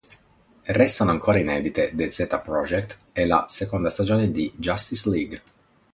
Restano ancora inedite "The Zeta Project" e la seconda stagione di "Justice League".